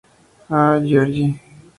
A. Giorgi.